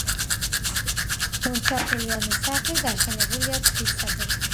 ორსართულიანი სახლი დაშენებულია ქვის საძირკველზე.